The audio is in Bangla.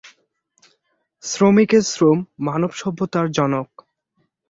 শ্রমিকের শ্রম মানবসভ্যতার জনক।